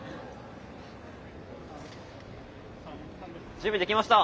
準備できました。